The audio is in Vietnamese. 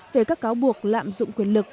về các cáo buộc lạm dụng quyền lực